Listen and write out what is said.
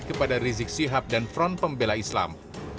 kepada rizik sihab dan front pembela islam